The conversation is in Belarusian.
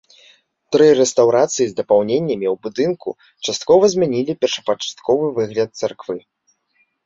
Тры рэстаўрацыі з дапаўненнямі ў будынку часткова змянілі першапачатковы выгляд царквы.